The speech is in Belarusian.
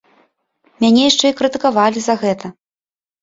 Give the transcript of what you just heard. Мяне яшчэ і крытыкавалі за гэта.